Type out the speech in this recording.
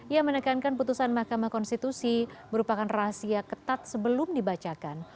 ia menekankan putusan mahkamah konstitusi merupakan rahasia ketat sebelum dibacakan